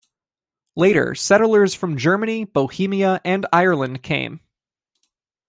Later, settlers from Germany, Bohemia, and Ireland came.